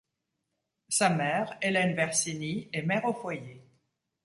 Sa mère, Hélène Versini, est mère au foyer.